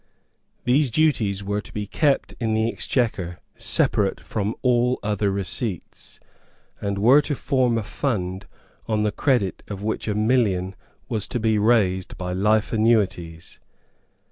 These duties were to be kept in the Exchequer separate from all other receipts, and were to form a fund on the credit of which a million was to be raised by life annuities.